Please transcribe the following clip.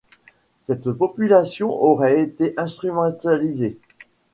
Cette population aurait été instrumentalisée.